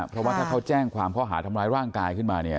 เพราะว่าถ้าเขาแจ้งความข้อหาทำร้ายร่างกายขึ้นมาเนี่ย